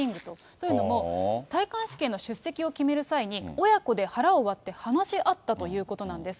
というのも、戴冠式への出席を決める際に、親子で腹を割って話し合ったということなんです。